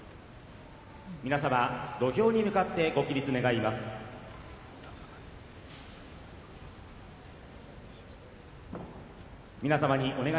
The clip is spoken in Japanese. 皆様土俵に向かってご起立ください。